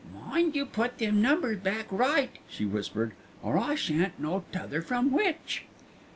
"Mind you put them numbers back right," she whispered, "or I shan't know t'other from which."